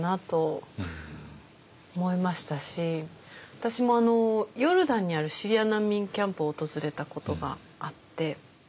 私もヨルダンにあるシリア難民キャンプを訪れたことがあって。